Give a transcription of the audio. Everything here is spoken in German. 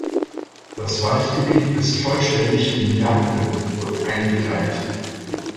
Das Waldgebiet ist vollständig in Jagden eingeteilt.